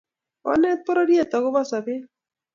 konet bororiet akobo sobet